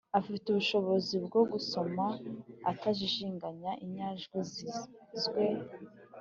– afite ubushobozi bwo gusoma atajijinganya inyajwi zizwe